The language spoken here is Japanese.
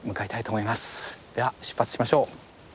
では出発しましょう。